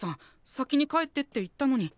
「先に帰って」って言ったのに。